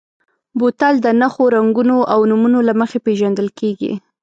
بوتل د نښو، رنګونو او نومونو له مخې پېژندل کېږي.